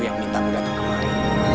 yang minta kamu datang kemari